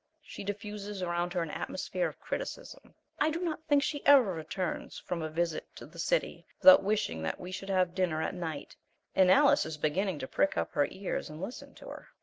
She diffuses around her an atmosphere of criticism I do not think she ever returns from a visit to the city without wishing that we should have dinner at night, and Alice is beginning to prick up her ears and listen to her.